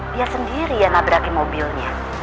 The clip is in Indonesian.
dia sendiri yang nabrakin mobilnya